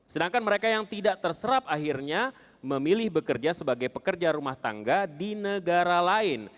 sedangkan mereka yang tidak terserap akhirnya memilih bekerja sebagai pekerja rumah tangga di negara lain